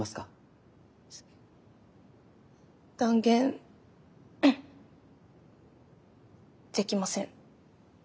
断言んんっできません。